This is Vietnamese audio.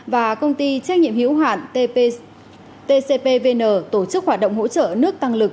và công ty trách nhiệm hữu hạn tcpvn tổ chức hoạt động hỗ trợ nước tăng lực